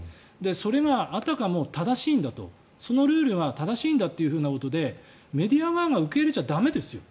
それがあたかも正しいんだとそのルールが正しいんだということでメディア側が受け入れちゃ駄目ですよ。